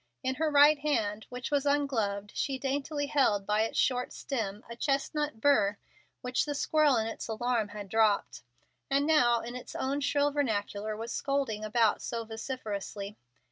In her right hand, which was ungloved, she daintily held, by its short stem, a chestnut burr which the squirrel in its alarm had dropped, and now, in its own shrill vernacular, was scolding about so vociferously.